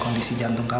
bok dan antar ya